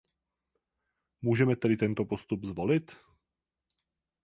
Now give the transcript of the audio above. Můžeme tedy tento postup zvolit?